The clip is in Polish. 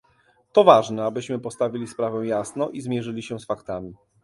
To ważne, abyśmy postawili sprawę jasno i zmierzyli się z faktami